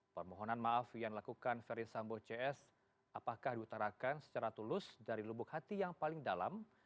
permohonan maaf yang dilakukan ferdis sambo cs apakah diutarakan secara tulus dari lubuk hati yang paling dalam